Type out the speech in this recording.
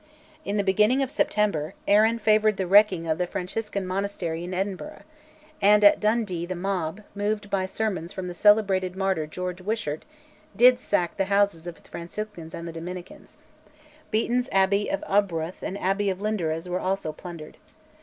In the beginning of September Arran favoured the wrecking of the Franciscan monastery in Edinburgh; and at Dundee the mob, moved by sermons from the celebrated martyr George Wishart, did sack the houses of the Franciscans and the Dominicans; Beaton's Abbey of Arbroath and the Abbey of Lindores were also plundered.